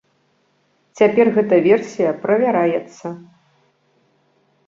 Цяпер гэта версія правяраецца.